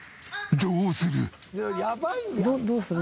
どうするの？